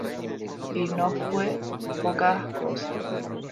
Y no fue poca cosa.